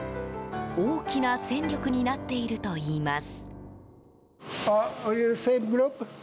大きな戦力になっているといいます。